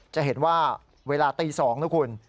จะเห็นว่าเวลาตี๒นะคุณ